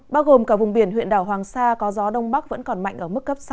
bao gồm cả vùng biển huyện đảo hoàng sa có gió đông bắc vẫn còn mạnh ở mức cấp sáu